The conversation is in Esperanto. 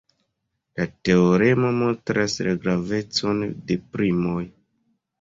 La teoremo montras la gravecon de primoj.